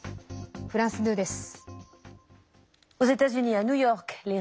フランス２です。